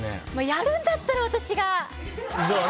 やるんだったら私が。